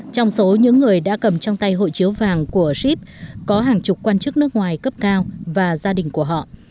trong số những người đã cầm trong tay hội chiếu vàng của ship có hàng chục quan chức nước ngoài cấp cao và gia đình của họ